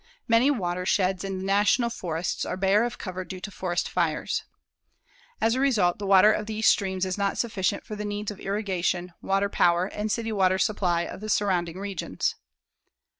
Many watersheds in the National Forests are bare of cover due to forest fires. As a result, the water of these streams is not sufficient for the needs of irrigation, water power and city water supply of the surrounding regions.